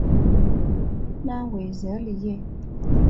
拉维热里耶。